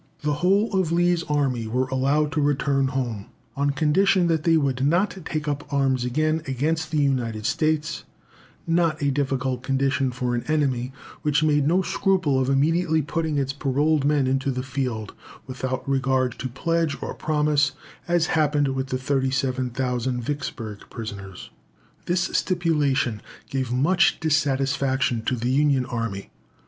The whole of Lee's army were allowed to return home on condition that they would not take up arms again against the United States not a difficult condition for an enemy which made no scruple of immediately putting its paroled men into the field, without regard to pledge or promise, as had happened with the 37,000 Vicksburg prisoners. This stipulation gave much dissatisfaction to the Union army.